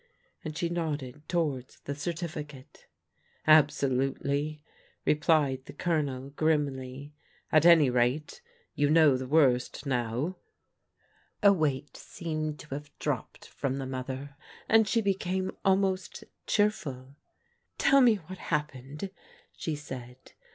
" and she nodded towards the certificate. "Absolutely," replied the Colonel grimly. "At any rate, you know the worst now." A weight seemed to have dropped from the mother, and she became almost cheerful. " Tell me what hap pened," she said.